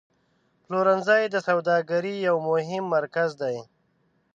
پلورنځی د سوداګرۍ یو مهم مرکز دی.